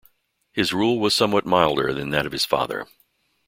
His rule was somewhat milder than that of his father.